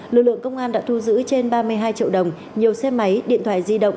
lực lượng công an đã thu giữ trên ba mươi hai triệu đồng nhiều xe máy điện thoại di động